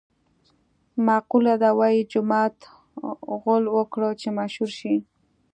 مقوله ده: وايي جومات غول وکړه چې مشهور شې.